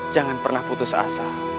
jangan pernah putus asa